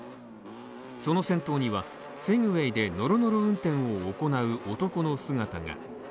その先頭には、セグウェイでノロノロ運転を行う男の姿が。